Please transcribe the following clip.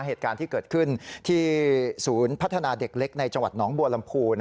เหตุการณ์ที่เกิดขึ้นที่ศูนย์พัฒนาเด็กเล็กในจังหวัดหนองบัวลำพู